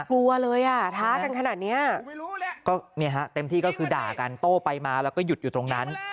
ก็เนี่ยฮะเต็มที่ก็คือด่ากันโต้ไปมาแล้วก็หยุดอยู่ตรงนั้น